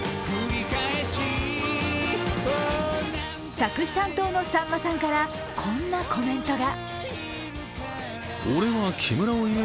作詞担当のさんまさんからこんなコメントが。